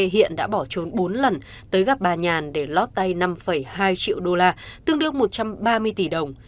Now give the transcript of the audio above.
hiện đã bỏ trốn bốn lần tới gặp bà nhàn để lót tay năm hai triệu đô la tương đương một trăm ba mươi tỷ đồng